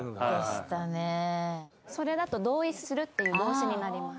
それだと「同意する」っていう動詞になります。